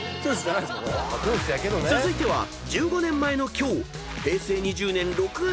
［続いては１５年前の今日］